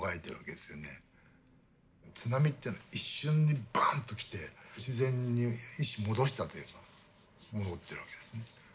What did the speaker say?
津波っていうのは一瞬にバンッと来て自然に一種戻したといえば戻ってるわけですね。